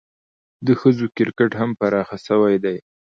د ښځو کرکټ هم پراخه سوی دئ.